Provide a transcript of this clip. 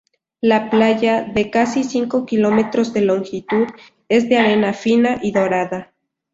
La playa, de casi cinco kilómetros de longitud, es de arena fina y dorada.